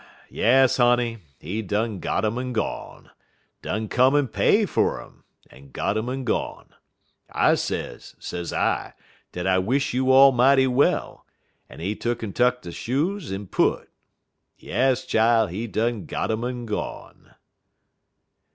Yas, honey, he done got um en gone; done come en pay fer 'm, en got um en gone. I sez, sez I, dat I wish you all mighty well, en he tuck'n tuck de shoes en put. Yas, chile, he done got um en gone."